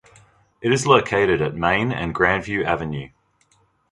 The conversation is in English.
It is located at Main and Grandview Avenue.